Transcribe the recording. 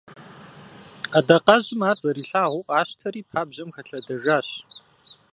Адакъэжьым ар зэрилъагъуу къащтэри, пабжьэм хэлъэдэжащ.